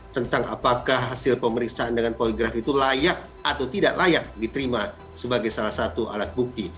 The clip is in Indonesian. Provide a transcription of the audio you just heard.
tentang apakah hasil pemeriksaan dengan poligraf itu layak atau tidak layak diterima sebagai salah satu alat bukti